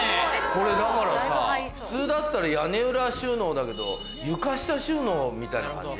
これだからさ普通だったら屋根裏収納だけど床下収納みたいな感じ？